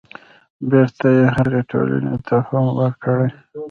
بېرته يې هغې ټولنې ته هم ورکړي.